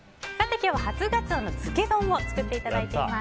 今日は初ガツオの漬け丼を作っていただいています。